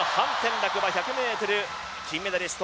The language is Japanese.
樂が１００ｍ金メダリスト。